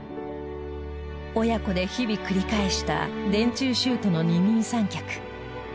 親子で日々繰り返した電柱シュートの二人三脚。